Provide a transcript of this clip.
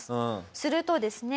するとですね